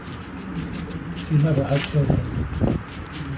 She never had children.